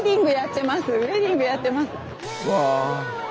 うわ！